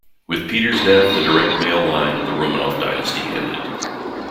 With Peter's death, the direct male line of the Romanov Dynasty ended.